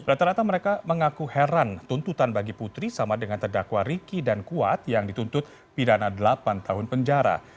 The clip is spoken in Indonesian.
rata rata mereka mengaku heran tuntutan bagi putri sama dengan terdakwa riki dan kuat yang dituntut pidana delapan tahun penjara